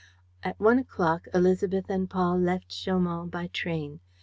At one o'clock Élisabeth and Paul left Chaumont by train.